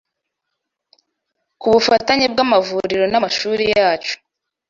Ku bufatanye bw’amavuriro n’amashuri yacu